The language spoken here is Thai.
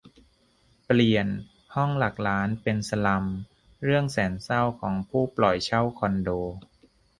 เปลี่ยน 'ห้องหลักล้าน' เป็น 'สลัม' เรื่องแสนเศร้าของผู้ปล่อยเช่าคอนโด